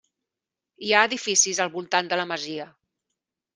Hi ha edificis al voltant de la masia.